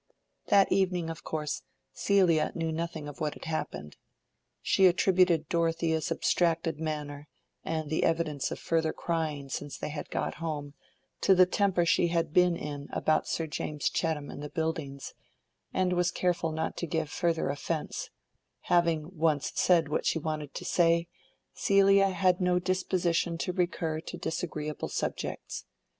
That evening, of course, Celia knew nothing of what had happened. She attributed Dorothea's abstracted manner, and the evidence of further crying since they had got home, to the temper she had been in about Sir James Chettam and the buildings, and was careful not to give further offence: having once said what she wanted to say, Celia had no disposition to recur to disagreeable subjects.